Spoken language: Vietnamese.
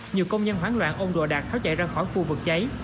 nhiều công nhân hoảng loạn ôm đồ đạc tháo chạy ra khỏi khu vực cháy